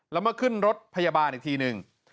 แล้วมาขึ้นรถพยาบาลอีกทีหนึ่ง